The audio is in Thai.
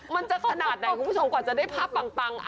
มันจะขนาดไหนคุณผู้ชมกว่าจะได้ภาพปัง